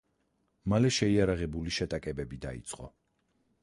მალე შეიარაღებული შეტაკებები დაიწყო.